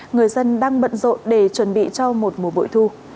người dân đang bận rộn để chuẩn bị cho một mùa bội thu